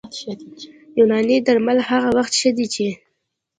یوناني درمل هغه وخت ښه دي چې